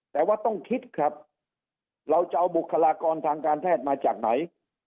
แต่ว่าต้องคิดครับเราจะเอาบุคลากรทางการแพทย์มาจากไหน